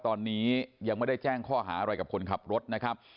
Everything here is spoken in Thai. ตอนนี้ยังไม่ได้แจ้งข้อหาอะไรกับคนขับรถนะครับ